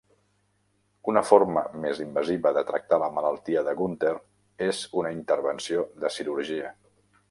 Una forma més invasiva de tractar la malaltia de Gunther és una intervenció de cirurgia.